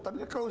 tapi kalau situ